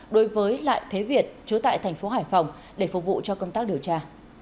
đối với lại thế việt chứa tại thành phố hải phòng để phục vụ cho công tác điều tra